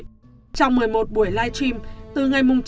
trong một mươi một buổi live stream